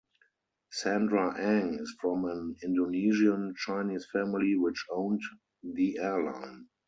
Sandra Ang is from an Indonesian-Chinese family which owned the airline.